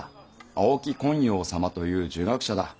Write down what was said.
青木昆陽様という儒学者だ。